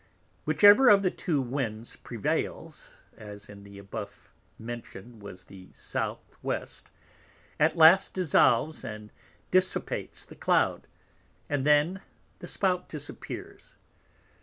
Whichever of the two Winds prevails, as in the above mentioned was the S.W. at last dissolves and dissipates the Cloud, and then the Spout disappears.